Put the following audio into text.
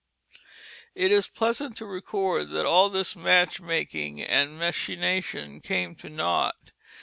It is pleasant to record that all this match making and machination came to naught.